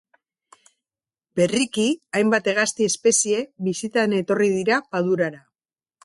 Berriki hainbat hegazti espezie bisitan etorri dira padurara.